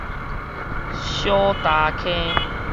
小礁溪